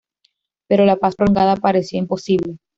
Pero la paz prolongada parecía imposible.